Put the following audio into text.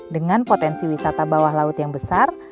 dengan potensi wisata bawah laut yang besar